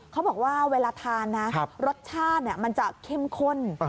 เขาบอกว่าเวลาทานนะรสชาติมันจะเข้มข้น